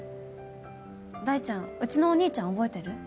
大ちゃんうちのお兄ちゃん覚えてる？